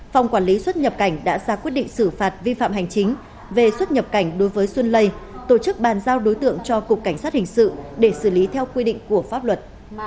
phòng quản lý xuất nhập cảnh đã ra quyết định xử phạt vi phạm hành chính về xuất nhập cảnh đối với xuân lây tổ chức bàn giao đối tượng cho cục cảnh sát hình sự để xử lý theo quy định của pháp luật